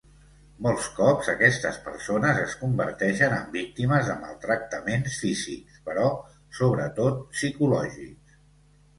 Molts cops aquestes persones es converteixen en víctimes de maltractaments físics, però, sobretot, psicològics.